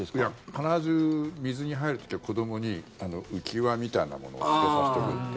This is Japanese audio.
必ず、水に入る時は子どもに浮輪みたいなものをつけさせておくって。